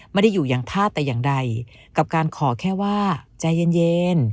ไม่ได้อยู่อย่างธาตุแต่อย่างใดกับการขอแค่ว่าใจเย็น